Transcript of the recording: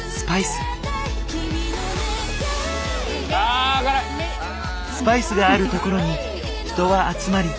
スパイスがあるところに人は集まり